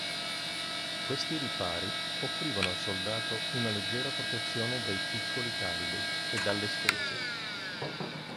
Questi ripari offrivano al soldato una leggera protezione dai piccoli calibri e dalle schegge.